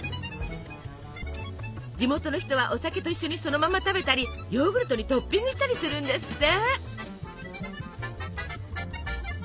地元の人はお酒と一緒にそのまま食べたりヨーグルトにトッピングしたりするんですって。